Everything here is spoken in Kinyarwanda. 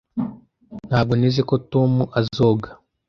Ntabwo nteze ko Toma azoga.